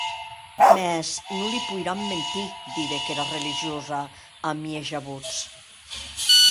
Mès que non li poiram mentir, didec era religiosa, a mieja votz.